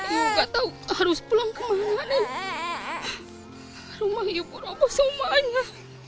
ibu gak tau harus pulang kemana nih rumah ibu rumah semuanya